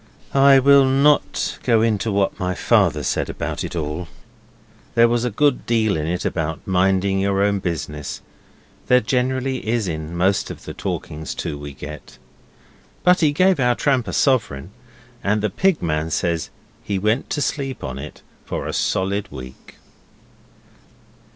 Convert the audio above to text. I will not go into what my father said about it all. There was a good deal in it about minding your own business there generally is in most of the talkings to we get. But he gave our tramp a sovereign, and the Pig man says he went to sleep on it for a solid week.